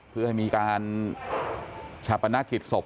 เพื่อให้มีการชับประนักกิจศพ